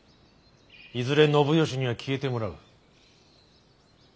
いずれ信義には消えてもらう。